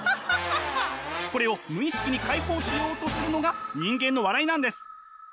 これを無意識に解放しようとするのが人間の笑いなんです。